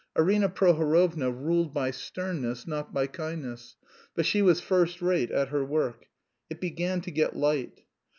Arina Prohorovna ruled by sternness not by kindness, but she was first rate at her work. It began to get light...